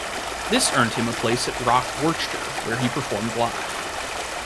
This earned him a place at Rock Werchter, where he performed live.